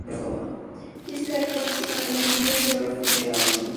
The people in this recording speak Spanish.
Jessica Ess participa en la canción "Don't You Ever Forget About Me".